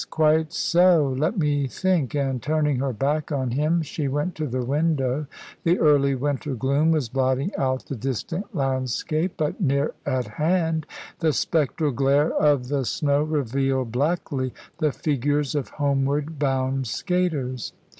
Quite so. Let me think," and turning her back on him, she went to the window. The early winter gloom was blotting out the distant landscape, but near at hand the spectral glare of the snow revealed blackly the figures of homeward bound skaters.